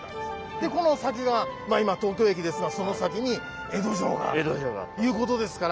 でこの先がまあ今東京駅ですがその先に江戸城があったということですから。